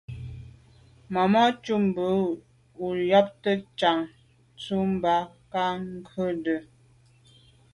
Màmá cúp mbə̌ bū jáptə́ cāŋ tɔ̌ bā ŋká ndɔ̌lī.